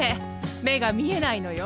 目が見えないのよ。